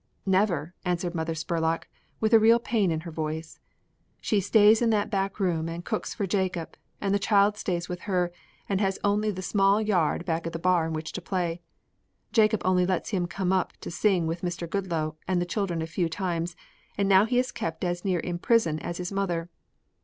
"Never," answered Mother Spurlock, with real pain in her voice. "She stays in that back room and cooks for Jacob, and the child stays with her and has only the small yard back of the bar in which to play. Jacob only let him come up to sing with Mr. Goodloe and the children a few times and now he is kept as near in prison as his mother.